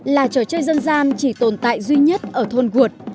là trò chơi dân gian chỉ tồn tại duy nhất ở thôn guột